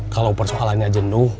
kalau persoalannya jenuh